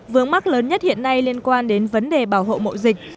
vướng mắt lớn nhất hiện nay liên quan đến vấn đề bảo hộ mậu dịch